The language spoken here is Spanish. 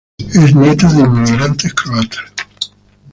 Es nieta de inmigrantes croatas.